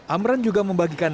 amran juga membagikan